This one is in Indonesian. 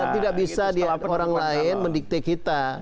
tidak bisa orang lain mendikte kita